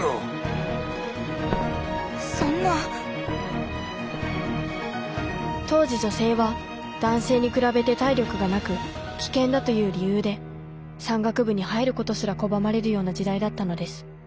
しかし当時女性は男性に比べて体力がなく危険だという理由で山岳部に入ることすら拒まれるような時代だったのです。